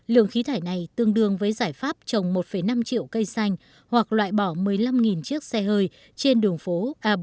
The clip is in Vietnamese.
lượng khí thải này tương đương với giải pháp trồng một năm triệu cây xanh hoặc loại bỏ một mươi năm chiếc xe hơi trên đường phố abd